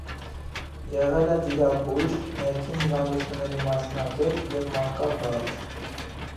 Եղել է վիրաբույժ, ներքին հիվանդությունների մասնագետ և մանկաբարձ։